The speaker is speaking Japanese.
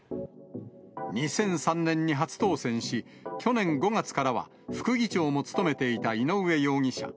２００３年に初当選し、去年５月からは副議長も務めていた井上容疑者。